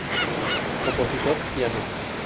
Compositor, piano.